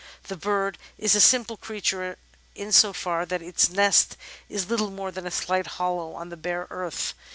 The bird is a simple creature in so far that its nest is little more than a slight hollow on the bare earth.